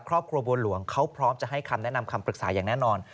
ครอบครัวบัวหลวงเขาพร้อมจะให้คำแนะนำคำปรึกษาอย่างแน่นอน